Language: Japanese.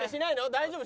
大丈夫？